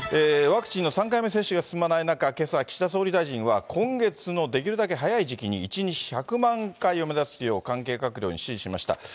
ワクチンの３回目接種が進まない中、けさ岸田総理大臣は、今月のできるだけ早い時期に１日１００万回を目指すよう関係閣僚に指示しました。